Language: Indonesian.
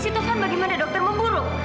terus kondisi taufan bagaimana dokter memburuk